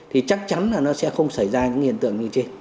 thì chắc chắn là nó sẽ không xảy ra những hiện tượng như trên